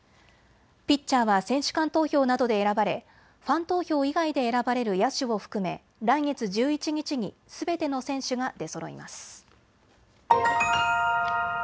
ピッチャーは選手間投票などで選ばれファン投票以外で選ばれる野手を含め来月１１日にすべての選手が出そろいます。